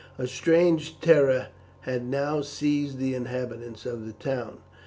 A strange terror had now seized the inhabitants of the town.